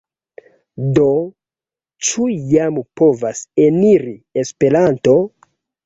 Do, ĉu jam povas eniri Esperanto?